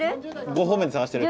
５方面で探してる。